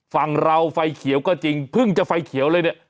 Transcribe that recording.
ฝั่งเราไฟเขียวก็จริงเพิ่งจะไฟเขียวเลยเนี่ย